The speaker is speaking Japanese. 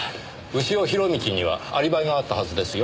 潮弘道にはアリバイがあったはずですよ。